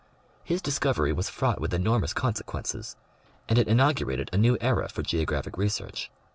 His discovery was fraught with enormous consequences, and it inaugurated a new era for geographic research.